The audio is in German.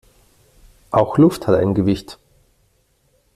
Auch Luft hat ein Gewicht.